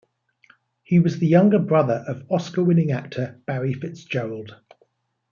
He was the younger brother of Oscar-winning actor Barry Fitzgerald.